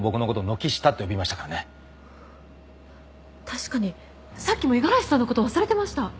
確かにさっきも五十嵐さんのこと忘れてました。